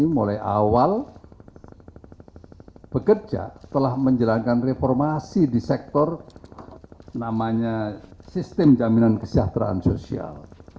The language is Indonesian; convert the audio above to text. mulai awal bekerja telah menjalankan reformasi di sektor namanya sistem jaminan kesejahteraan sosial